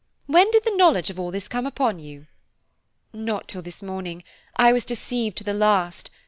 When did the knowledge of all this come upon you?" "Not till this morning; I was deceived to the last.